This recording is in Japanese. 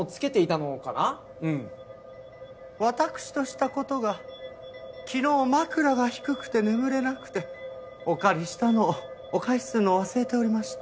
わたくしとした事が昨日枕が低くて眠れなくてお借りしたのをお返しするのを忘れておりました。